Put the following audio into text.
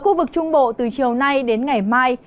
khu vực trung bộ từ chiều nay đến ngày mai